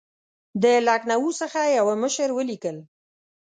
د لکنهو څخه یوه مشر ولیکل.